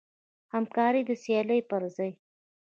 همکاري د سیالۍ پر ځای.